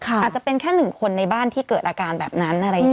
อาจจะเป็นแค่๑คนในบ้านที่เกิดอาการแบบนั้น